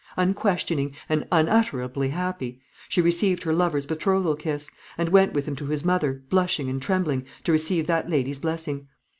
Unquestioning, and unutterably happy, she received her lover's betrothal kiss, and went with him to his mother, blushing and trembling, to receive that lady's blessing.